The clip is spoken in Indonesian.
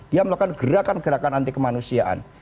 dia melakukan gerakan gerakan anti kemanusiaan